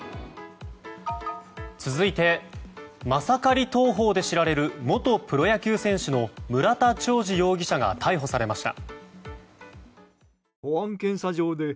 続いてマサカリ投法で知られる元プロ野球選手の村田兆治容疑者が逮捕されました。